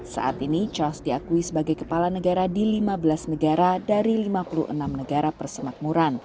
saat ini charles diakui sebagai kepala negara di lima belas negara dari lima puluh enam negara persemakmuran